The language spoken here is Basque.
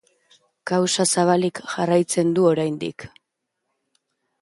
Kausa zabalik jarraitzen du oraindik.